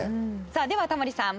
さあではタモリさん